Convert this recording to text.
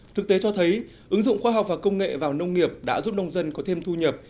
thực tế cho thấy ứng dụng khoa học và công nghệ vào nông nghiệp đã giúp nông dân có thêm thu nhập